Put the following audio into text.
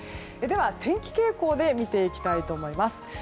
では天気傾向で見ていきたいと思います。